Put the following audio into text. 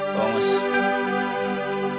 kamu tak mercy